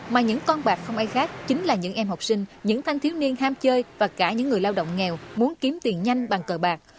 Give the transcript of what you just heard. mà những con bạc không ai khác chính là những em học sinh những thanh thiếu niên ham chơi và cả những người lao động nghèo muốn kiếm tiền nhanh bằng cờ bạc